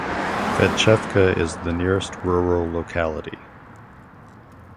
Fedchevka is the nearest rural locality.